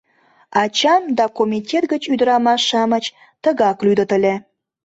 Ачам да комитет гыч ӱдырамаш-шамыч тыгак лӱдыт ыле.